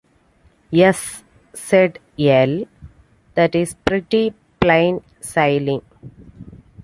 "Yes," said L., "that is pretty plain sailing."